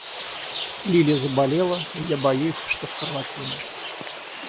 Лили заболела, и я боюсь, что скарлатина.